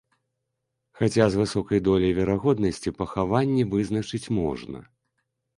Хаця з высокай доляй верагоднасці пахаванні вызначыць можна.